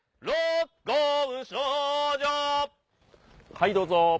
はいどうぞ。